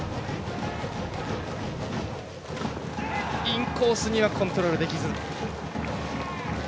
インコースにはコントロールできず。